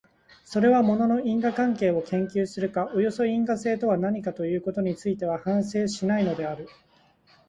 それは物の因果関係を研究するか、およそ因果性とは何かということについては反省しないのである。